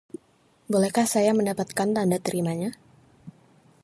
Bolehkah saya mendapatkan tanda terimanya?